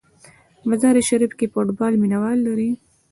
مزار شریف کې فوټبال مینه وال لري.